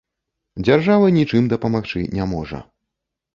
Дзяржава нічым дапамагчы не можа.